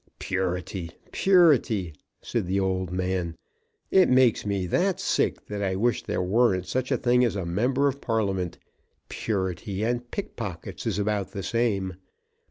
"Purity! Purity!" said the old man. "It makes me that sick that I wish there weren't such a thing as a member of Parliament. Purity and pickpockets is about the same.